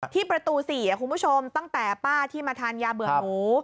ที่ประตู๔คุณผู้ชมตั้งแต่ป้าที่มาทานยาเบื่อหมู